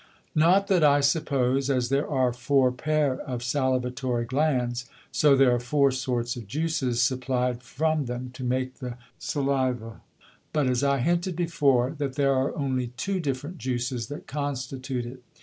Not that I suppose, as there are four Pair of salivatory Glands, so there are four sorts of Juices supply'd from them, to make the Saliva; but, as I hinted before, that there are only two different Juices that constitute it.